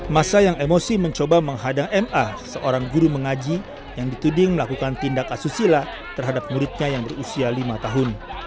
masa yang emosi mencoba menghadang ma seorang guru mengaji yang dituding melakukan tindak asusila terhadap muridnya yang berusia lima tahun